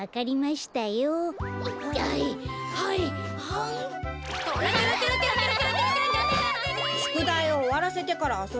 しゅくだいをおわらせてからあそぶべきですよ。